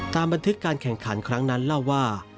บันทึกการแข่งขันครั้งนั้นเล่าว่า